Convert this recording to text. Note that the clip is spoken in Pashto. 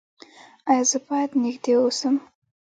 ایا زه باید نږدې اوسم؟